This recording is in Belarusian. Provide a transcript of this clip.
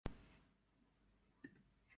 Таму што трэба будаваць?